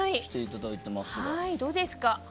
どうですか？